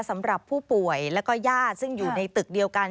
สำหรับผู้ป่วยแล้วก็ญาติซึ่งอยู่ในตึกเดียวกัน